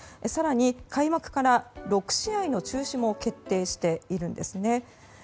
更に、開幕から６試合の中止も決定しているんですね。